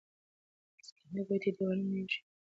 سکرین د کوټې دیوالونه د یوې شېبې لپاره روښانه کړل.